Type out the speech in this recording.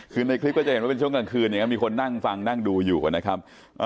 คือในคลิปก็จะเห็นว่าเป็นช่วงกลางคืนอย่างนี้มีคนนั่งฟังนั่งดูอยู่นะครับ